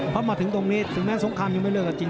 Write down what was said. เพราะมาถึงตรงนี้ถึงแม้สงครามยังไม่เลิกกับจริง